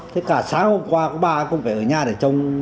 thế cả sáng hôm qua có ba cũng phải ở nhà để trông